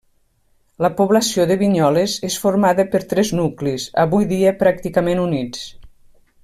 La població de Vinyoles és formada per tres nuclis, avui dia pràcticament units.